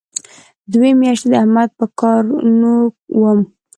دوې میاشتې د احمد په کارونو وم.